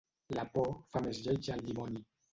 La por fa més lleig el dimoni.